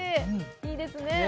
いいですね。